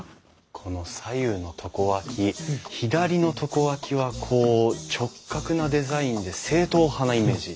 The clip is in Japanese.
この左右の床脇左の床脇は直角なデザインで正統派なイメージ。